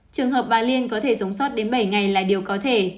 trường hợp bà liên có thể sống sót đến bảy ngày là điều có thể